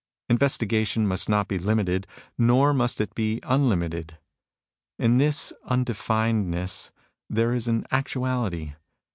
Investigation must not be limited, nor must it be unlimited. In this undefinedness there is an actuality.